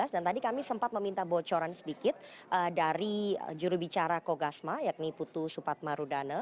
dan tadi kami sempat meminta bocoran sedikit dari jurubicara kogasma yakni putu supatmarudana